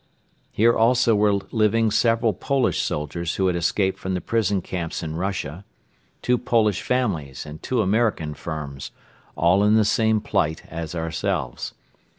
Here also were living several Polish soldiers who had escaped from the prison camps in Russia, two Polish families and two American firms, all in the same plight as ourselves.